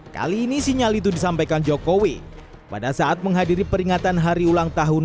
kali ini sinyal itu disampaikan jokowi pada saat menghadiri peringatan hari ulang tahun